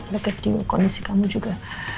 begitu kondisi kamu juga